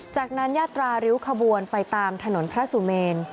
จากนั้นญาตราริ้วขบวนไปตามถนนพระสุเมน